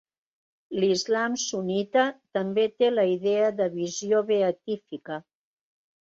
L'islam sunnita també té la idea de visió beatífica.